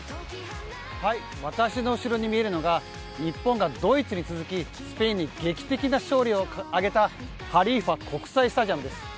私の後ろに見えるのが日本がドイツに続きスペインに劇的な勝利を挙げたハリーファ国際スタジアムです。